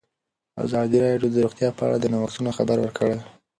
ازادي راډیو د روغتیا په اړه د نوښتونو خبر ورکړی.